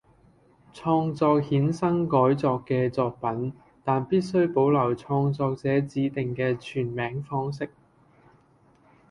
創作衍生改作嘅作品，但必須保留創作者指定嘅全名方式